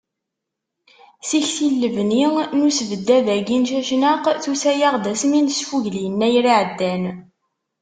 Tikti n lebni n usebddad-agi n Cacnaq, tusa-aɣ-d asmi nesfugel yennayer iɛeddan.